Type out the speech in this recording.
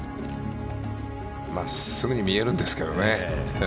真っすぐに見えるんですけどね。